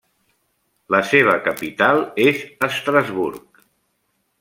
La seva capital és Estrasburg.